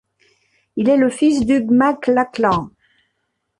Il est le fils d’Hugh Mac Lachlan.